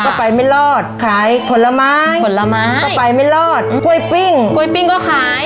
ก็ไปไม่รอดขายผลไม้ผลไม้ก็ไปไม่รอดกล้วยปิ้งกล้วยปิ้งก็ขาย